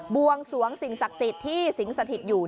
วงสวงสิ่งศักดิ์สิทธิ์ที่สิงสถิตอยู่